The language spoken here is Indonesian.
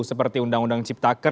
seperti undang undang ciptaker